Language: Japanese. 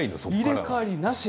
入れ代わりなし。